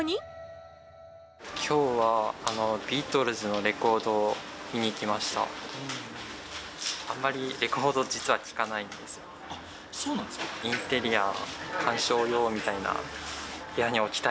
きょうは、ビートルズのレコードを見に来ました。